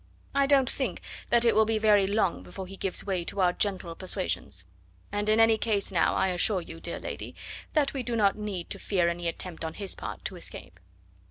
I don't think that it will be very long before he gives way to our gentle persuasions; and in any case now, I assure you, dear lady, that we need not fear any attempt on his part to escape.